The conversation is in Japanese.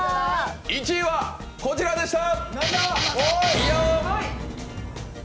１位はこちらでした！